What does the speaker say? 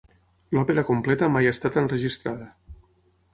L'òpera completa mai ha estat enregistrada.